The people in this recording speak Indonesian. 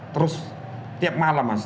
terus tiap malam mas